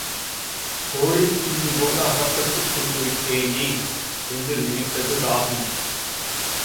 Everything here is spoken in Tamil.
கோழிக் குஞ்சு போல அகப் பட்டுக்கொண்டு விட்டேனே! என்று நினைத்தது ராகி.